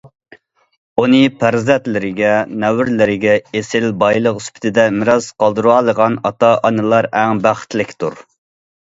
ئۇنى پەرزەنتلىرىگە، نەۋرىلىرىگە ئېسىل بايلىق سۈپىتىدە مىراس قالدۇرالىغان ئاتا- ئانىلار ئەڭ بەختلىكتۇر.